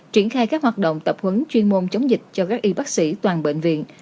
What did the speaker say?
triển khai các hoạt động tập huấn chuyên môn chống dịch cho các y bác sĩ toàn bệnh viện